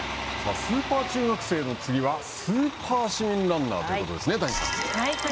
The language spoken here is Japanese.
スーパー中学生の次は、スーパー市民ランナーということですね、谷さん。